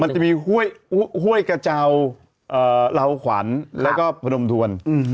มันจะมีห้วยกระเจ้าเหลาขวัญแล้วก็พนมทวน